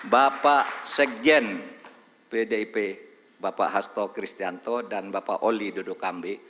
bapak sekjen pdip bapak hasto kristianto dan bapak oli dodo kambe